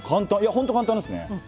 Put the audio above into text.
本当、簡単ですね。